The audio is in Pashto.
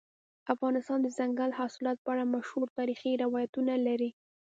افغانستان د دځنګل حاصلات په اړه مشهور تاریخی روایتونه لري.